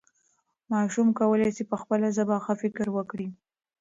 ماشوم کولی سي په خپله ژبه ښه فکر وکړي.